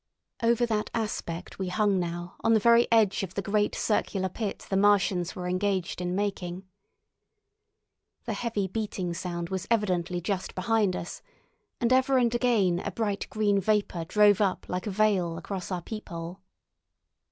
Over that aspect we hung now on the very edge of the great circular pit the Martians were engaged in making. The heavy beating sound was evidently just behind us, and ever and again a bright green vapour drove up like a veil across our peephole.